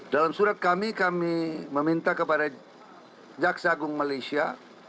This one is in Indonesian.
dalam surat kami kami meminta kepada jaksagung malaysia